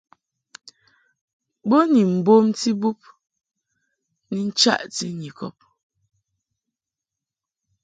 Bo ni mbomti bub ni nchaʼti Nyikɔb.